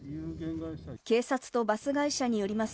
警察とバス会社によります